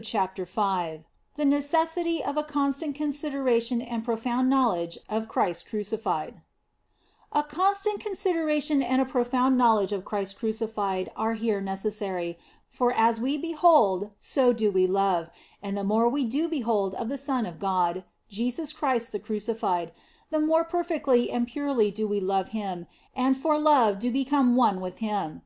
CHAPTER V THE NECESSITY OF A CONSTANT CONSIDERATION AND PROFOUND KNOWLEDGE OF CHRIST CRUCIFIED A CONSTANT consideration and a profound knowledge of Christ crucified are here necessary, for as we behold so do we love, and the more we do behold of the Son of God, Jesus Christ the Crucified, the more perfectly and purely do we love Him and for love do become one with Him.